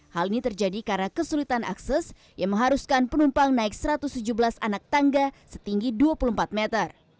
hal ini terjadi karena kesulitan akses yang mengharuskan penumpang naik satu ratus tujuh belas anak tangga setinggi dua puluh empat meter